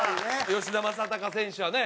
吉田正尚選手はね